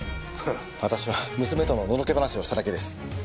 私は娘とのノロケ話をしただけです。